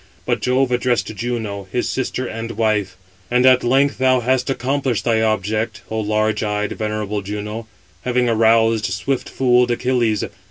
But Jove addressed Juno, his sister and wife: "And at length thou hast accomplished thy object, O large eyed, venerable Juno, having aroused swift fooled Achilles.